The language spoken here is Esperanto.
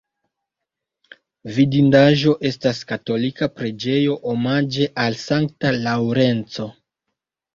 Vidindaĵo estas katolika preĝejo omaĝe al Sankta Laŭrenco.